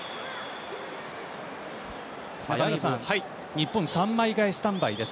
日本３枚代えスタンバイです。